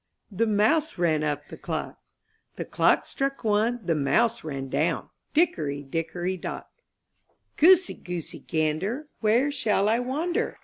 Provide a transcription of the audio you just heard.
the mouse ran up •*^ the clock; '^ The clock struck one, the mouse ran down, Dickory, dickory, dock! /^OOSEY, Goosey, Gander, ^^ Where shall I wander?